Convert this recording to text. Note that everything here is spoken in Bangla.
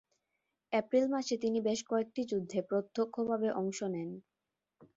এপ্রিল মাসে তিনি বেশ কয়েকটি যুদ্ধে প্রত্যক্ষভাবে অংশ নেন।